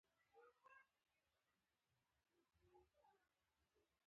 د بخارۍ کارونه باید له احتیاط سره ترسره شي.